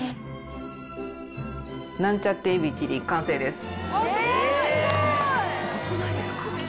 すごくないですか？